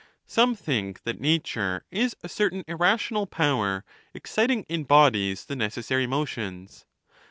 Some think that nature is a certain irrational power excit ing in bodies the necessary motions.